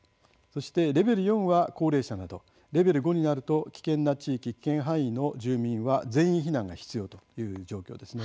そして、レベル４は高齢者などレベル５になると危険な地域、危険範囲の住民は全員避難が必要という状況です。